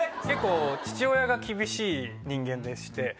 結構父親が厳しい人間でして。